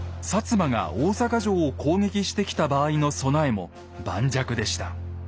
摩が大坂城を攻撃してきた場合の備えも盤石でした。